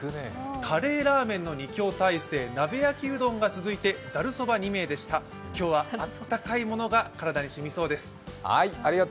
カレー、ラーメンの２強体制鍋焼きうどんが続いて、ざるそば２名でした今日は温かいものが体にしみそうです。